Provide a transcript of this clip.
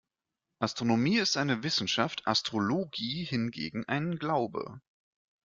Astronomie ist eine Wissenschaft, Astrologie hingegen ein Glaube.